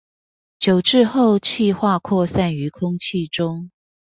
久置後汽化擴散於空氣中